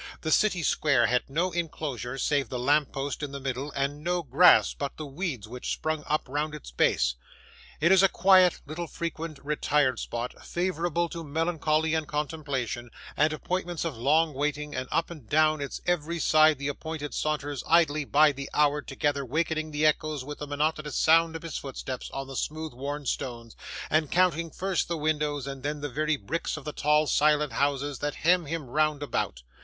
The city square has no enclosure, save the lamp post in the middle: and no grass, but the weeds which spring up round its base. It is a quiet, little frequented, retired spot, favourable to melancholy and contemplation, and appointments of long waiting; and up and down its every side the Appointed saunters idly by the hour together wakening the echoes with the monotonous sound of his footsteps on the smooth worn stones, and counting, first the windows, and then the very bricks of the tall silent houses that hem him round about.